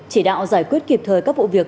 chỉ đạo giải quyết kịp thời các vụ việc